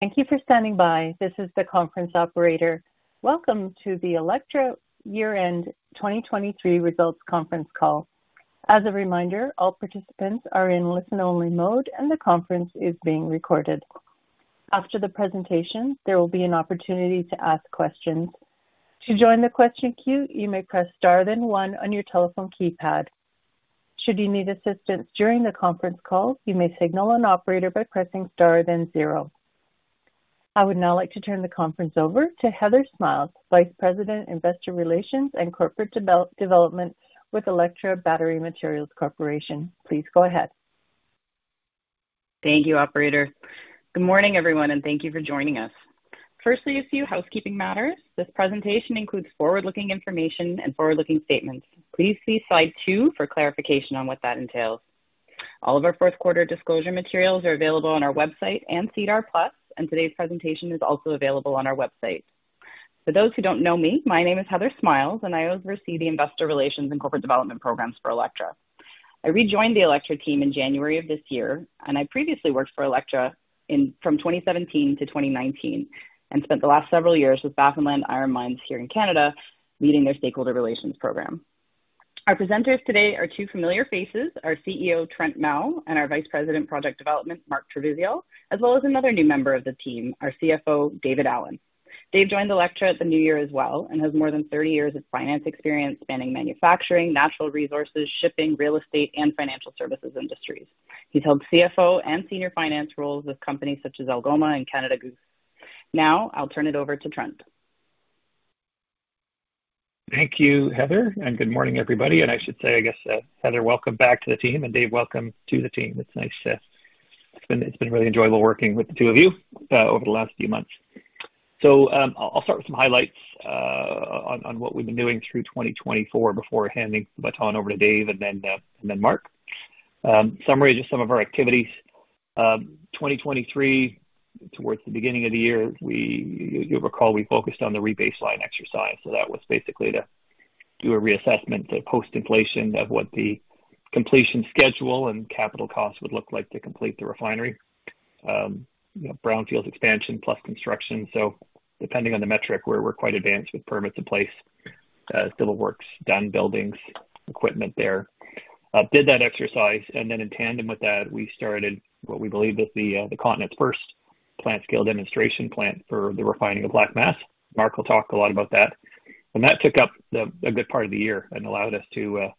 Thank you for standing by. This is the conference operator. Welcome to the Electra Year-End 2023 Results Conference Call. As a reminder, all participants are in listen-only mode, and the conference is being recorded. After the presentation, there will be an opportunity to ask questions. To join the question queue, you may press Star, then one on your telephone keypad. Should you need assistance during the conference call, you may signal an operator by pressing star, then zero. I would now like to turn the conference over to Heather Smiles, Vice President, Investor Relations and Corporate Development with Electra Battery Materials Corporation. Please go ahead. Thank you, operator. Good morning, everyone, and thank you for joining us. Firstly, a few housekeeping matters. This presentation includes forward-looking information and forward-looking statements. Please see slide two for clarification on what that entails. All of our fourth quarter disclosure materials are available on our website and SEDAR+, and today's presentation is also available on our website. For those who don't know me, my name is Heather Smiles, and I oversee the Investor Relations and Corporate Development programs for Electra. I rejoined the Electra team in January of this year, and I previously worked for Electra from 2017 to 2019, and spent the last several years with Baffinland Iron Mines here in Canada, leading their stakeholder relations program. Our presenters today are two familiar faces, our CEO, Trent Mell, and our Vice President, Project Development, Mark Trevisiol, as well as another new member of the team, our CFO, David Allen. Dave joined Electra at the new year as well, and has more than 30 years of finance experience spanning manufacturing, natural resources, shipping, real estate, and financial services industries. He's held CFO and senior finance roles with companies such as Algoma and Canada Goose. Now, I'll turn it over to Trent. Thank you, Heather, and good morning, everybody, and I should say, I guess, Heather, welcome back to the team, and Dave, welcome to the team. It's been really enjoyable working with the two of you over the last few months. So, I'll start with some highlights on what we've been doing through 2024 before handing the baton over to Dave and then Mark. Summary of some of our activities. 2023, towards the beginning of the year, you'll recall, we focused on the rebaseline exercise, so that was basically to do a reassessment, the post-inflation, of what the completion schedule and capital costs would look like to complete the refinery. You know, brownfield expansion plus construction, so depending on the metric, we're quite advanced with permits in place, civil works done, buildings, equipment there. Did that exercise, and then in tandem with that, we started what we believe is the continent's first plant-scale demonstration plant for the refining of black mass. Mark will talk a lot about that. And that took up a good part of the year and allowed us to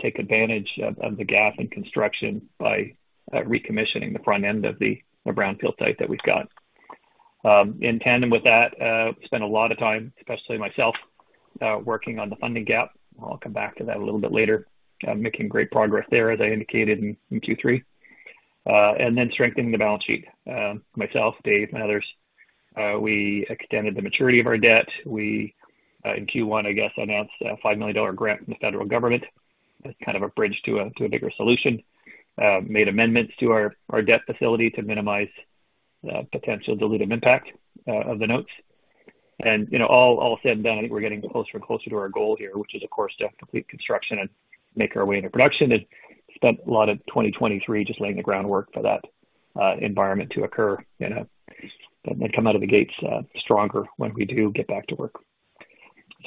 take advantage of the gap in construction by recommissioning the front end of the brownfield site that we've got. In tandem with that, spent a lot of time, especially myself, working on the funding gap. I'll come back to that a little bit later. Making great progress there, as I indicated in Q3. And then strengthening the balance sheet. Myself, Dave, and others, we extended the maturity of our debt. We, in Q1, I guess, announced a 5 million dollar grant from the federal government as kind of a bridge to a bigger solution. Made amendments to our debt facility to minimize the potential dilutive impact of the notes. You know, all said and done, I think we're getting closer and closer to our goal here, which is, of course, to complete construction and make our way into production, and spent a lot of 2023 just laying the groundwork for that environment to occur and come out of the gates stronger when we do get back to work.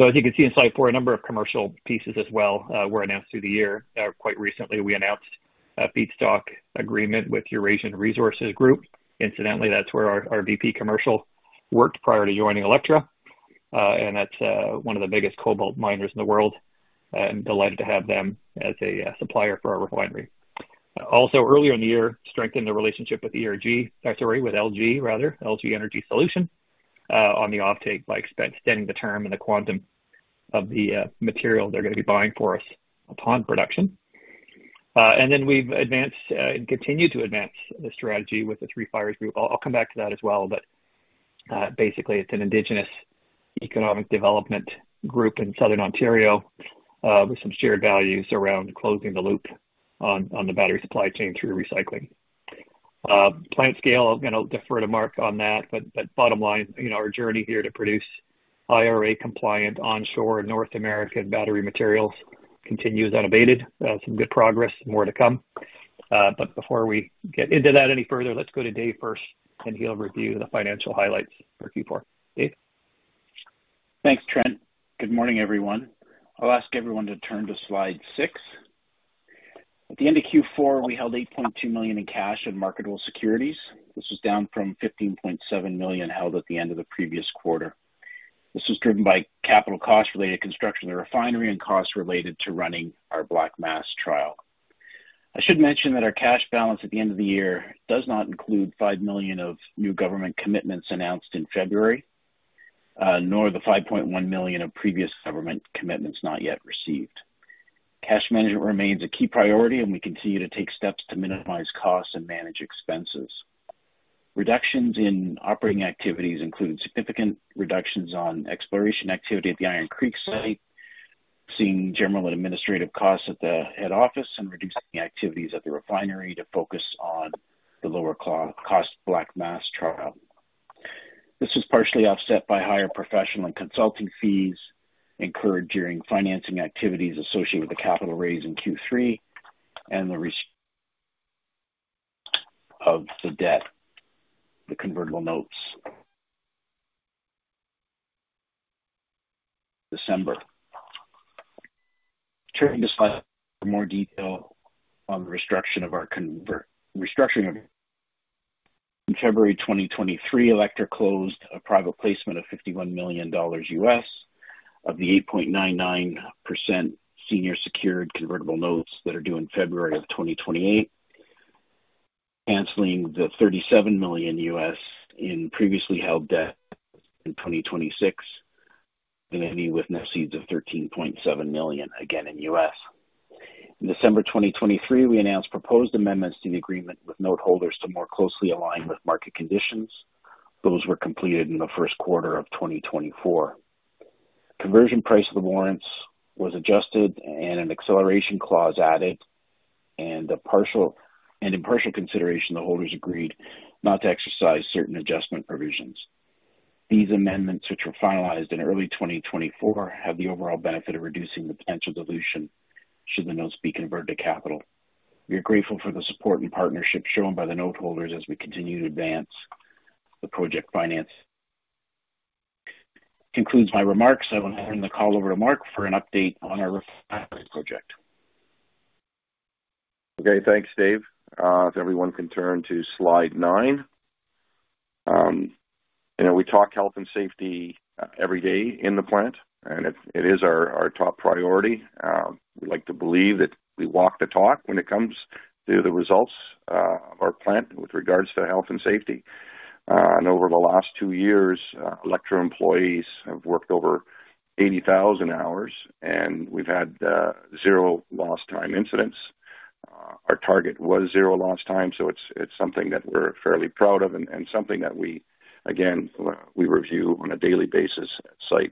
As you can see in slide four, a number of commercial pieces as well were announced through the year. Quite recently, we announced a feedstock agreement with Eurasian Resources Group. Incidentally, that's where our VP Commercial worked prior to joining Electra, and that's one of the biggest cobalt miners in the world, and delighted to have them as a supplier for our refinery. Also, earlier in the year, strengthened the relationship with ERG, sorry, with LG, rather, LG Energy Solution, on the offtake by extending the term and the quantum of the material they're gonna be buying for us upon production. And then we've advanced and continued to advance the strategy with the Three Fires Group. I'll come back to that as well, but basically, it's an Indigenous economic development group in southern Ontario, with some shared values around closing the loop on the battery supply chain through recycling. Plant scale, again, I'll defer to Mark on that, but, but bottom line, you know, our journey here to produce IRA-compliant, onshore, North American battery materials continues unabated. Some good progress, more to come, but before we get into that any further, let's go to Dave first, and he'll review the financial highlights for Q4. Dave? Thanks, Trent. Good morning, everyone. I'll ask everyone to turn to slide six. At the end of Q4, we held $8.2 million in cash and marketable securities. This is down from $15.7 million held at the end of the previous quarter. This is driven by capital cost related to construction of the refinery and costs related to running our black mass trial. I should mention that our cash balance at the end of the year does not include $5 million of new government commitments announced in February, nor the $5.1 million of previous government commitments not yet received. Cash management remains a key priority, and we continue to take steps to minimize costs and manage expenses. Reductions in operating activities include significant reductions on exploration activity at the Iron Creek site, seeing general and administrative costs at the head office, and reducing activities at the refinery to focus on the lower cost black mass trial. This was partially offset by higher professional and consulting fees incurred during financing activities associated with the capital raise in Q3 and the restructuring of the debt, the convertible notes, December. Turning to slide for more detail on the restructuring of. In February 2023, Electra closed a private placement of $51 million of the 8.99% senior secured convertible notes that are due in February of 2028, canceling the $37 million in previously held debt in 2026, and ending with net proceeds of $13.7 million, again, in U.S.. In December 2023, we announced proposed amendments to the agreement with noteholders to more closely align with market conditions. Those were completed in the first quarter of 2024. Conversion price of the warrants was adjusted and an acceleration clause added, and in partial consideration, the holders agreed not to exercise certain adjustment provisions. These amendments, which were finalized in early 2024, have the overall benefit of reducing the potential dilution should the notes be converted to capital. We are grateful for the support and partnership shown by the noteholders as we continue to advance the project finance. Concludes my remarks. I will hand the call over to Mark for an update on our project. Okay, thanks, Dave. If everyone can turn to slide nine. You know, we talk health and safety every day in the plant, and it is our top priority. We like to believe that we walk the talk when it comes to the results of our plant with regards to health and safety. Over the last two years, Electra employees have worked over 80,000 hours, and we've had zero lost time incidents. Our target was zero lost time, so it's something that we're fairly proud of and something that we again review on a daily basis at site.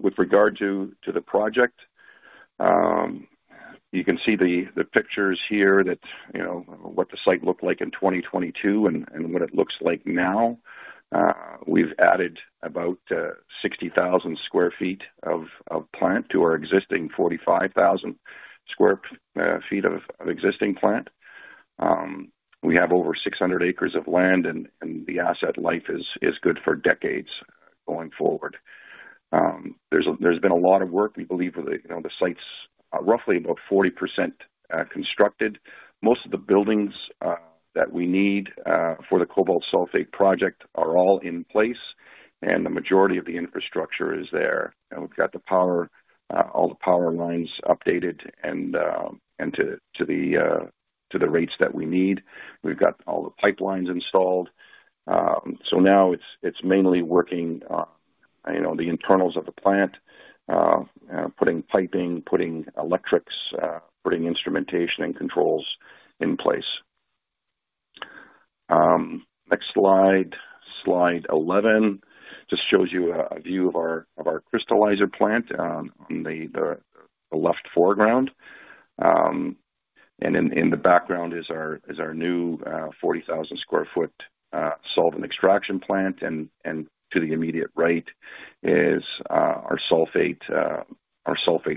With regard to the project, you can see the pictures here that you know what the site looked like in 2022 and what it looks like now. We've added about 60,000 sq ft of plant to our existing 45,000 sq ft of existing plant. We have over 600 acres of land, and the asset life is good for decades going forward. There's been a lot of work. We believe, you know, the site's roughly about 40% constructed. Most of the buildings that we need for the cobalt sulfate project are all in place, and the majority of the infrastructure is there, and we've got the power, all the power lines updated and to the rates that we need. We've got all the pipelines installed. So now it's mainly working, you know, the internals of the plant, putting piping, putting electrics, putting instrumentation and controls in place. Next slide, slide 11, just shows you a view of our crystallizer plant, on the left foreground. And in the background is our new 40,000 sq ft solvent extraction plant, and to the immediate right is our sulfate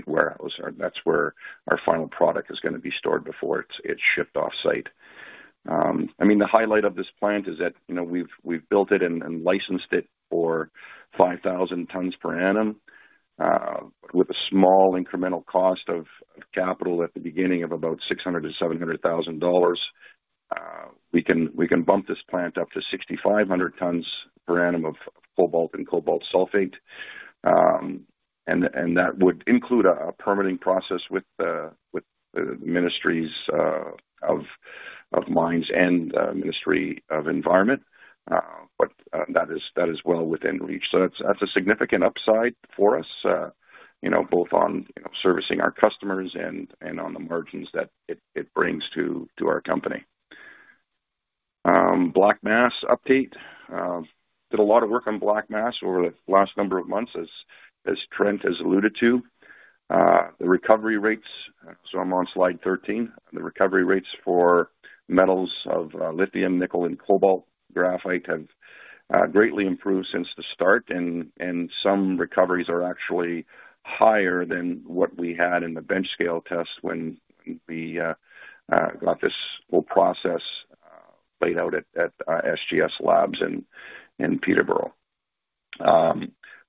warehouse. That's where our final product is gonna be stored before it's shipped offsite. I mean, the highlight of this plant is that, you know, we've built it and licensed it for 5,000 tons per annum, with a small incremental cost of capital at the beginning of about $600,000-$700,000. We can bump this plant up to 6,500 tons per annum of cobalt and cobalt sulfate. That would include a permitting process with the Ministries of Mines and Ministry of Environment. But that is well within reach. So that's a significant upside for us, you know, both on servicing our customers and on the margins that it brings to our company. Black mass update. Did a lot of work on black mass over the last number of months, as Trent has alluded to. The recovery rates, so I'm on slide 13. The recovery rates for metals of lithium, nickel and cobalt graphite have greatly improved since the start, and some recoveries are actually higher than what we had in the bench scale test when we got this whole process laid out at SGS Labs in Peterborough.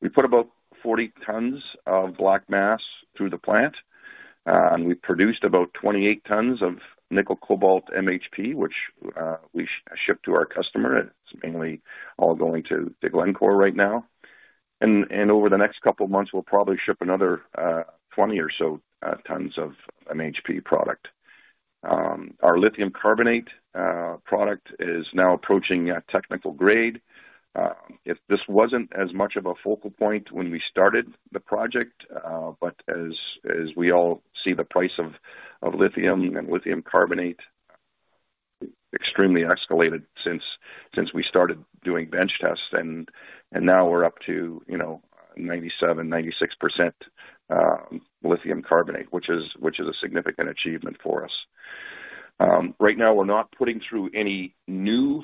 We put about 40 tons of black mass through the plant, and we produced about 28 tons of nickel cobalt MHP, which we shipped to our customer. It's mainly all going to Glencore right now. And over the next couple of months, we'll probably ship another 20 or so tons of MHP product. Our lithium carbonate product is now approaching a technical grade. If this wasn't as much of a focal point when we started the project, but as we all see, the price of lithium and lithium carbonate extremely escalated since we started doing bench tests, and now we're up to, you know, 97%-96% lithium carbonate, which is a significant achievement for us. Right now, we're not putting through any new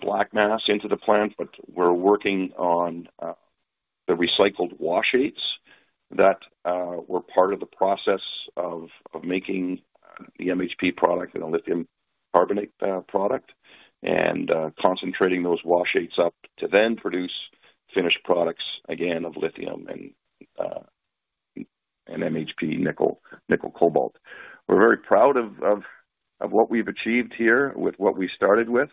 black mass into the plant, but we're working on the recycled wash aids that were part of the process of making the MHP product and a lithium carbonate product, and concentrating those wash aids up to then produce finished products again, of lithium and MHP, nickel cobalt. We're very proud of what we've achieved here with what we started with.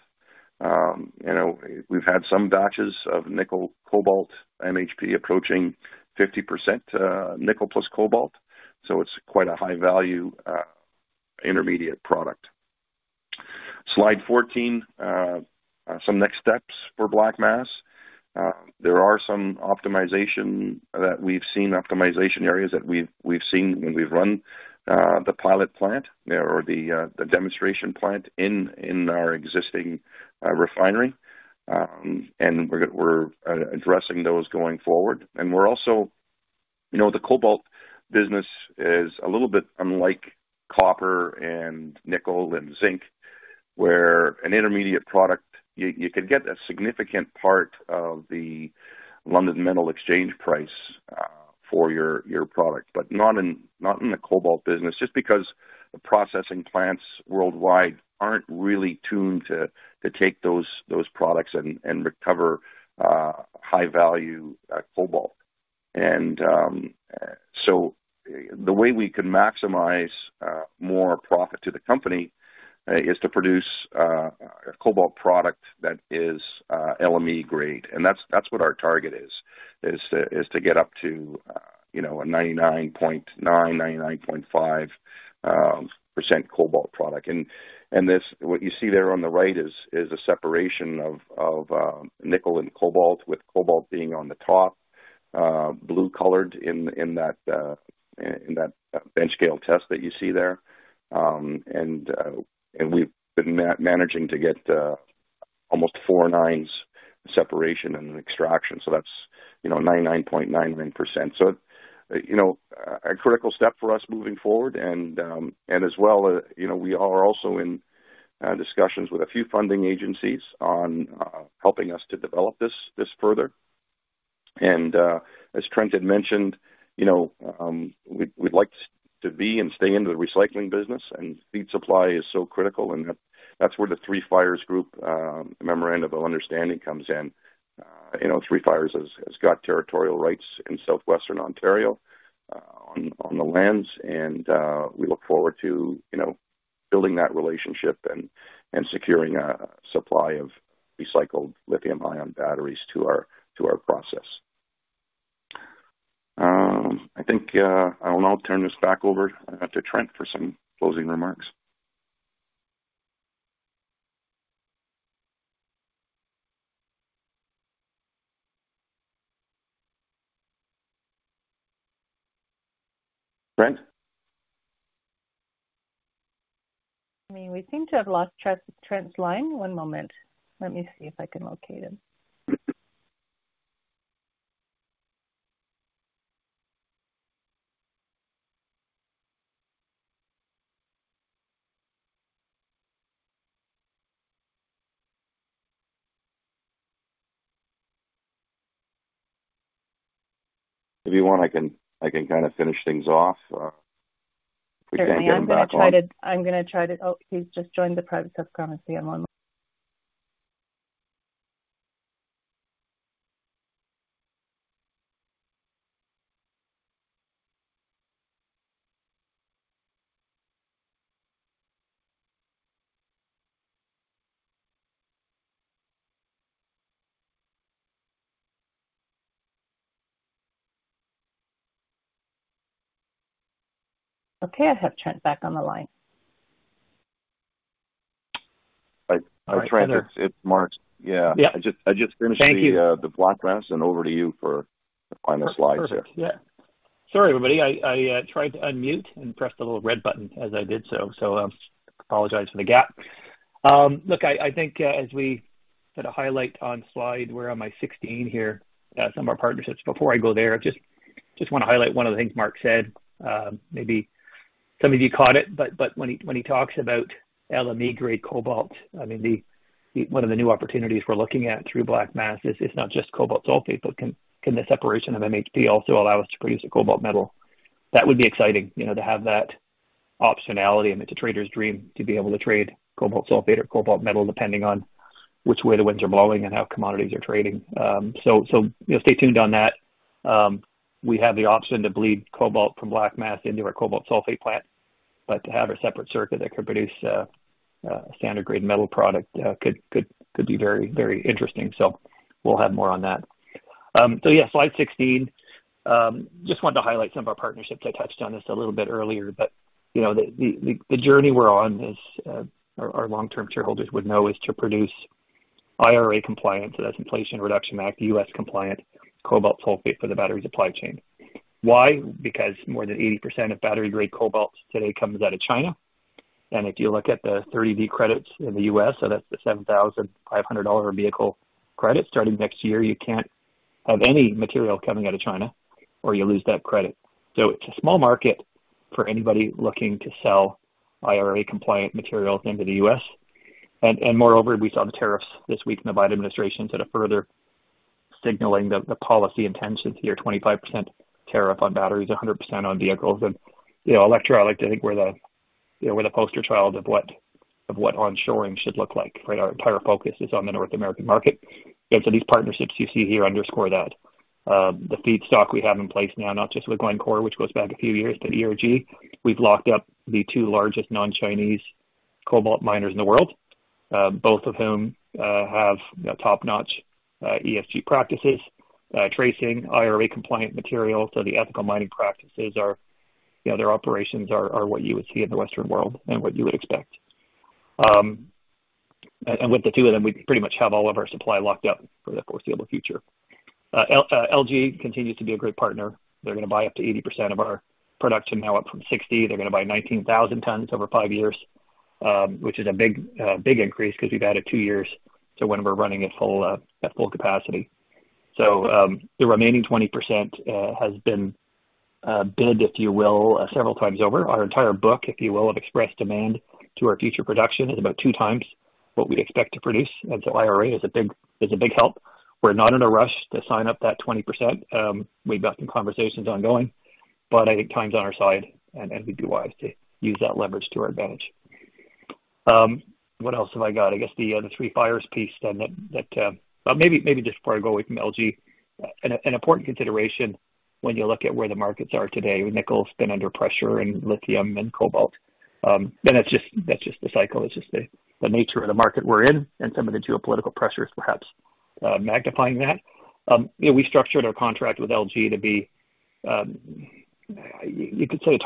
You know, we've had some batches of nickel, cobalt, MHP approaching 50%, nickel plus cobalt, so it's quite a high-value intermediate product. Slide 14, some next steps for black mass. There are some optimization areas that we've seen when we've run the pilot plant or the demonstration plant in our existing refinery. And we're addressing those going forward. And we're also... You know, the cobalt business is a little bit unlike copper and nickel and zinc, where an intermediate product, you could get a significant part of the London Metal Exchange price for your product, but not in the cobalt business, just because the processing plants worldwide aren't really tuned to take those products and recover high-value cobalt. So the way we can maximize more profit to the company is to produce a cobalt product that is LME grade, and that's what our target is, to get up to, you know, a 99.9%-99.5% cobalt product. And this, what you see there on the right is a separation of nickel and cobalt, with cobalt being on the top, blue-colored in that bench scale test that you see there. And we've been managing to get almost four nines separation and extraction, so that's, you know, 99.99%. So, you know, a critical step for us moving forward. And as well, you know, we are also in discussions with a few funding agencies on helping us to develop this further. As Trent had mentioned, you know, we'd like to be and stay in the recycling business and feed supply is so critical, and that's where the Three Fires Group Memorandum of Understanding comes in. You know, Three Fires has got territorial rights in Southwestern Ontario on the lands, and we look forward to, you know, building that relationship and securing a supply of recycled lithium-ion batteries to our process. I think I will now turn this back over to Trent for some closing remarks. Trent? I mean, we seem to have lost Trent, Trent's line. One moment. Let me see if I can locate him. If you want, I can kind of finish things off if we can't get him back on. I'm gonna try to... Oh, he's just joined the private sub conference. Hang on one-. Okay, I have Trent back on the line. Hi, Trent, it's Mark. Yeah. Yeah. I just finished the- Thank you. the black mass, and over to you for the final slides here. Yeah. Sorry, everybody. I tried to unmute and pressed the little red button as I did so, so, apologize for the gap. Look, I think, as we put a highlight on slide, we're on my 16 here, some of our partnerships. Before I go there, just want to highlight one of the things Mark said. Maybe some of you caught it, but when he talks about LME-grade cobalt, I mean, one of the new opportunities we're looking at through black mass is, it's not just cobalt sulfate, but can the separation of MHP also allow us to produce a cobalt metal? That would be exciting, you know, to have that optionality. I mean, it's a trader's dream to be able to trade cobalt sulfate or cobalt metal, depending on which way the winds are blowing and how commodities are trading. You know, stay tuned on that. We have the option to bleed cobalt from black mass into our cobalt sulfate plant, but to have a separate circuit that could produce a standard-grade metal product, could be very, very interesting. So we'll have more on that. Yeah, slide 16. Just wanted to highlight some of our partnerships. I touched on this a little bit earlier, but you know, the journey we're on, as our long-term shareholders would know, is to produce IRA compliant, so that's Inflation Reduction Act, U.S. compliant, cobalt sulfate for the battery supply chain. Why? Because more than 80% of battery-grade cobalt today comes out of China. And if you look at the 30D credits in the U.S., so that's the $7,500 vehicle credit. Starting next year, you can't have any material coming out of China or you lose that credit. So it's a small market for anybody looking to sell IRA-compliant materials into the U.S.. And, and moreover, we saw the tariffs this week, and the Biden administration said a further signaling the, the policy intentions here, 25% tariff on batteries, 100% on vehicles. And, you know, Electra, I like to think we're the, you know, we're the poster child of what, of what onshoring should look like, right? Our entire focus is on the North American market. And so these partnerships you see here underscore that. The feedstock we have in place now, not just with Glencore, which goes back a few years to ERG. We've locked up the two largest non-Chinese cobalt miners in the world, both of whom have top-notch ESG practices, tracing IRA-compliant material. So the ethical mining practices are, you know, their operations are what you would see in the Western world and what you would expect. And with the two of them, we pretty much have all of our supply locked up for the foreseeable future. LG continues to be a great partner. They're gonna buy up to 80% of our production now, up from 60%. They're gonna buy 19,000 tons over five years, which is a big increase because we've added two years to when we're running at full capacity. So, the remaining 20% has been bid, if you will, several times over. Our entire book, if you will, of expressed demand to our future production is about two times what we'd expect to produce, and so IRA is a big help. We're not in a rush to sign up that 20%. We've got some conversations ongoing, but I think time's on our side, and we'd be wise to use that leverage to our advantage. What else have I got? I guess the Three Fires piece then. Well, maybe just before I go away from LG, an important consideration when you look at where the markets are today, nickel's been under pressure and lithium and cobalt. And that's just the cycle. It's just the nature of the market we're in and some of the geopolitical pressures perhaps magnifying that. You know, we structured our contract with LG to be, you could say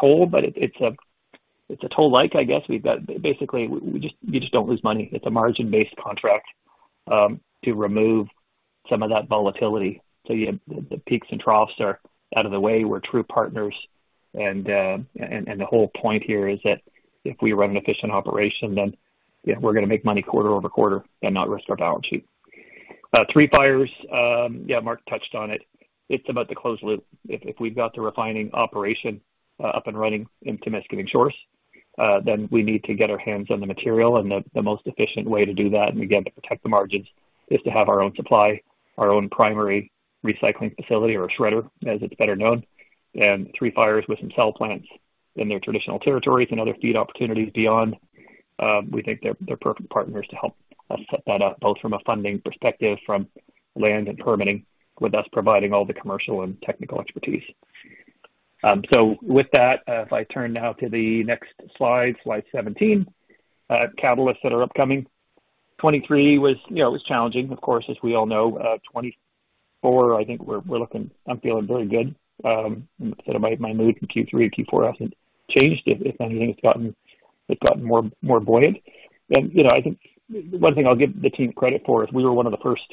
a toll, but it, it's a, it's a toll-like, I guess. We've got basically, we just, we just don't lose money. It's a margin-based contract to remove some of that volatility. So you have the peaks and troughs are out of the way. We're true partners, and, and the whole point here is that if we run an efficient operation, then, yeah, we're gonna make money quarter over quarter and not risk our balance sheet. Three Fires, yeah, Mark touched on it. It's about the closed loop. If we've got the refining operation up and running in Temiskaming Shores, then we need to get our hands on the material, and the most efficient way to do that, and again, to protect the margins, is to have our own supply, our own primary recycling facility, or a shredder, as it's better known. And Three Fires with some shredder plants in their traditional territories and other feed opportunities beyond, we think they're perfect partners to help us set that up, both from a funding perspective, from land and permitting, with us providing all the commercial and technical expertise. So with that, if I turn now to the next slide, slide 17, catalysts that are upcoming. 2023 was, you know, it was challenging, of course, as we all know. 2024, I think we're looking... I'm feeling very good. Instead of my mood in Q3 and Q4 hasn't changed. If anything, it's gotten more buoyant. And, you know, I think one thing I'll give the team credit for is we were one of the first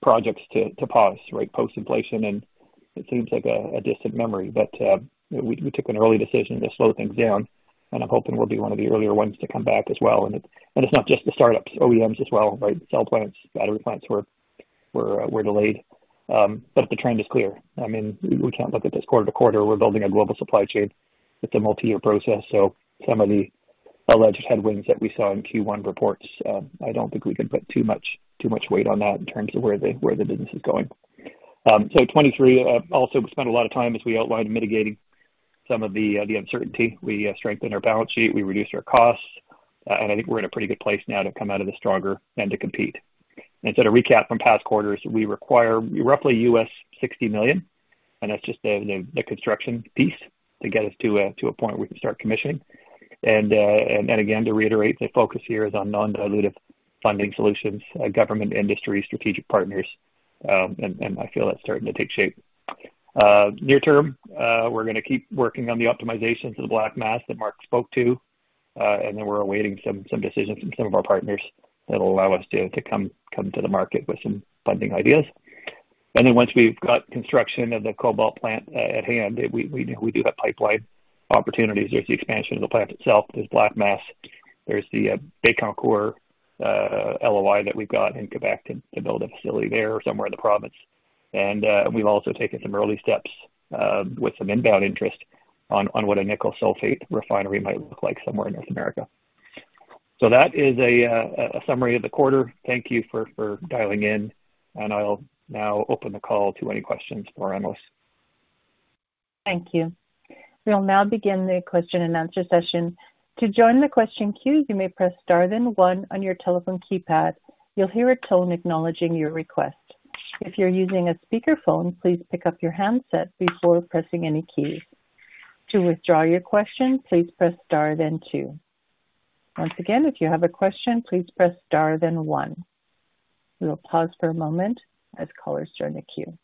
projects to pause, right? Post-inflation, and it seems like a distant memory, but we took an early decision to slow things down, and I'm hoping we'll be one of the earlier ones to come back as well. And it's not just the startups, OEMs as well, right? Cell plants, battery plants were delayed. But the trend is clear. I mean, we can't look at this quarter to quarter. We're building a global supply chain. It's a multi-year process, so some of the alleged headwinds that we saw in Q1 reports. I don't think we can put too much, too much weight on that in terms of where the business is going. So 2023 also spent a lot of time, as we outlined, mitigating some of the uncertainty. We strengthened our balance sheet, we reduced our costs, and I think we're in a pretty good place now to come out of the stronger and to compete. So to recap from past quarters, we require roughly $60 million, and that's just the construction piece to get us to a point we can start commissioning. And again, to reiterate, the focus here is on non-dilutive funding solutions, government, industry, strategic partners, and I feel that's starting to take shape. Near term, we're gonna keep working on the optimization for the black mass that Mark spoke to, and then we're awaiting some decisions from some of our partners that will allow us to come to the market with some funding ideas. And then once we've got construction of the cobalt plant at hand, we do have pipeline opportunities. There's the expansion of the plant itself. There's black mass, there's the Baie-Comeau LOI that we've got in Quebec to build a facility there or somewhere in the province. We've also taken some early steps with some inbound interest on, on what a nickel sulfate refinery might look like somewhere in North America. That is a summary of the quarter. Thank you for dialing in, and I'll now open the call to any questions for analyst. Thank you. We'll now begin the question-and-answer session. To join the question queue, you may press star then one on your telephone keypad. You'll hear a tone acknowledging your request. If you're using a speakerphone, please pick up your handset before pressing any keys. To withdraw your question, please press star then two. Once again, if you have a question, please press star then one. We will pause for a moment as callers join the queue.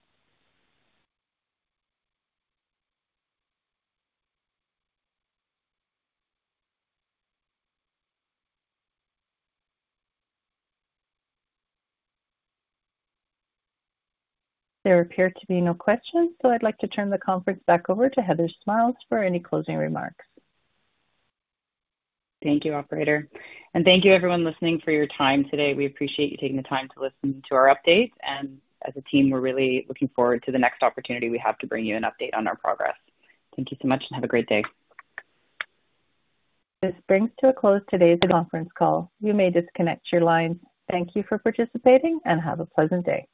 There appear to be no questions, so I'd like to turn the conference back over to Heather Smiles for any closing remarks. Thank you, operator, and thank you everyone listening for your time today. We appreciate you taking the time to listen to our updates, and as a team, we're really looking forward to the next opportunity we have to bring you an update on our progress. Thank you so much and have a great day. This brings to a close today's conference call. You may disconnect your lines. Thank you for participating and have a pleasant day.